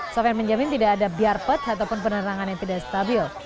sofian menjamin tidak ada biarpet ataupun penerangan yang tidak stabil